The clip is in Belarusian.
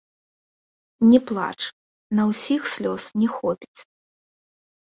Не плач, на ўсіх слёз не хопіць!